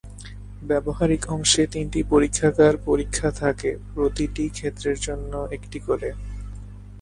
ব্যবহারিক অংশে তিনটি পরীক্ষাগার পরীক্ষা থাকে, প্রতিটি ক্ষেত্রের জন্য একটি করে।